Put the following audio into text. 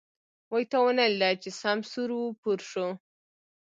وی تا ونه ليده چې سم سور و پور شو.